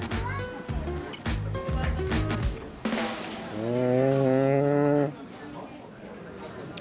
うん！